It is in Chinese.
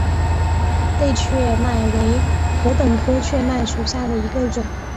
类雀麦为禾本科雀麦属下的一个种。